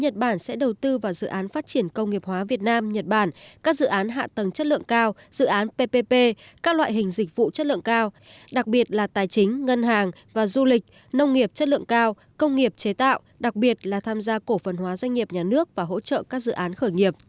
đặc biệt là tài chính ngân hàng và du lịch nông nghiệp chất lượng cao công nghiệp chế tạo đặc biệt là tham gia cổ phần hóa doanh nghiệp nhà nước và hỗ trợ các dự án khởi nghiệp